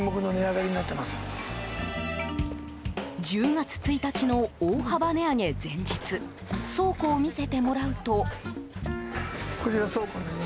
１０月１日の大幅値上げ前日倉庫を見せてもらうと。